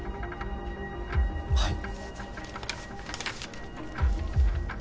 はい。